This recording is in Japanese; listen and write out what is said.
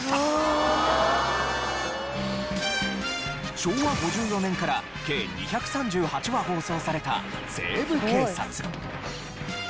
昭和５４年から計２３８話放送された『西部警察』。